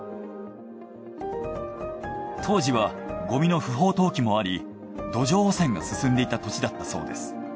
当時はゴミの不法投棄もあり土壌汚染が進んでいた土地だったそうです。